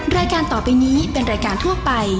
รายการต่อไปนี้เป็นรายการทั่วไป